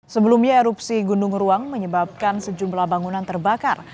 sebelumnya erupsi gunung ruang menyebabkan sejumlah bangunan terbakar